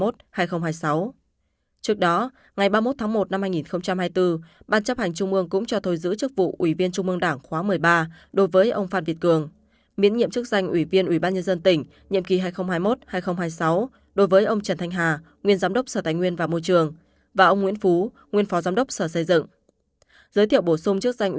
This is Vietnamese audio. trước đó ngày ba mươi một tháng một năm hai nghìn hai mươi bốn ban chấp hành trung mương cũng cho thôi giữ chức vụ ủy viên trung mương đảng khóa một mươi ba đối với ông phan việt cường miễn nhiệm chức danh ủy viên ủy ban nhân dân tỉnh nhiệm kỳ hai nghìn hai mươi một hai nghìn hai mươi sáu đối với ông trần thanh hà nguyên giám đốc sở tài nguyên và môi trường và ông nguyễn phú nguyên phó giám đốc sở xây dựng